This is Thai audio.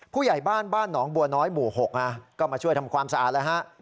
ผู้ใหญ่บ้านบ้านหนองบัวน้อยบู๋หกก็มาช่วยทำความสะอาด